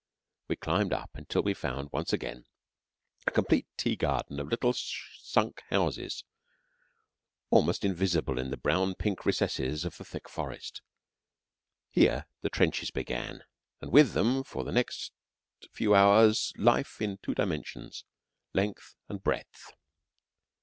We climbed up till we found once again a complete tea garden of little sunk houses, almost invisible in the brown pink recesses of the thick forest. Here the trenches began, and with them for the next few hours life in two dimensions length and breadth.